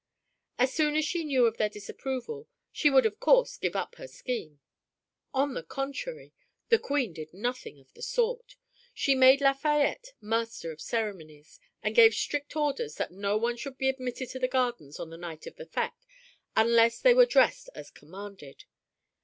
As soon as she knew of their disapproval she would of course give up her scheme. On the contrary, the Queen did nothing of the sort. She made Lafayette master of ceremonies, and gave strict orders that no one should be admitted to the gardens on the night of the fête unless they were dressed as commanded.